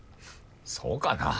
そうかなぁ。